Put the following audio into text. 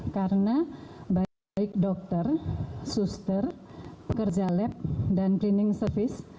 karena baik dokter suster pekerja lab dan cleaning service